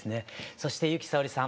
そして由紀さおりさん